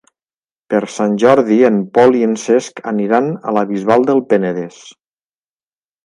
Per Sant Jordi en Pol i en Cesc aniran a la Bisbal del Penedès.